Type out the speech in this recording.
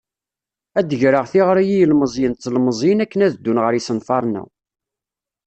Ad d-greɣ tiɣri i yilemẓiyen d tlemẓiyin akken ad d-ddun ɣer yisenfaren-a.